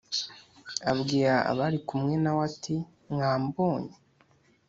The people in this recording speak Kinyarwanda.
abwira abari kumwe na we ati mwambonye